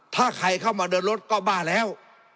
ถ้าใครเข้ามาเดินรถก็บ้าแล้ว